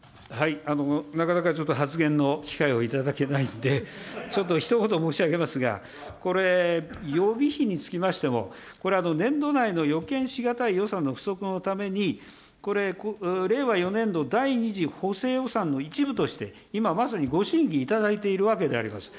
なかなかちょっと発言の機会をいただけないんで、ちょっとひと言申し上げますが、これ、予備費につきましても、これ、年度内の予見し難い予算のふそくのために、これ、令和４年度第２次補正予算の一部として、今まさにご審議いただいているわけであります。